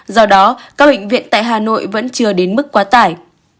do đó các bệnh viện tại hà nội vẫn chưa đến mức quá tải